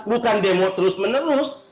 bukan demo terus menerus